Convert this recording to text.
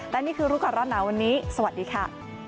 และนี่คือรู้ก่อนร้อนหนาวันนี้สวัสดีค่ะ